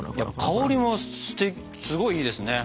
香りもすごいいいですね。